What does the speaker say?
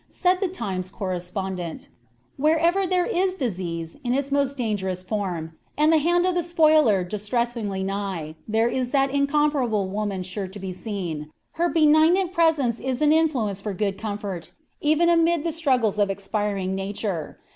Said the Times correspondent: "Wherever there is disease in its most dangerous form, and the hand of the spoiler distressingly nigh, there is that incomparable woman sure to be seen; her benignant presence is an influence for good comfort even amid the struggles of expiring nature.